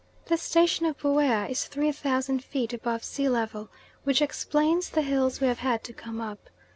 This station at Buea is 3,000 feet above sea level, which explains the hills we have had to come up.